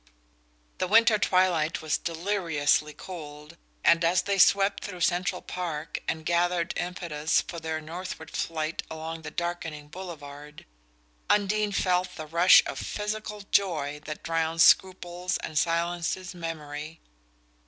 The winter twilight was deliriously cold, and as they swept through Central Park, and gathered impetus for their northward flight along the darkening Boulevard, Undine felt the rush of physical joy that drowns scruples and silences memory.